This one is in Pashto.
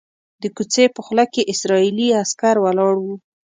د کوڅې په خوله کې اسرائیلي عسکر ولاړ وو.